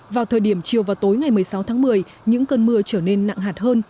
vào thời điểm chiều và tối ngày một mươi sáu tháng một mươi những cơn mưa trở nên nặng hạt hơn